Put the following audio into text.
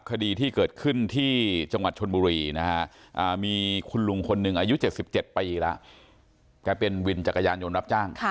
คดีที่เกิดขึ้นที่จังหวัดชนบุรีน่ะครับ